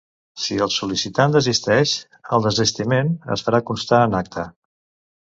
Si el sol·licitant desisteix, el desistiment es farà constar en acta.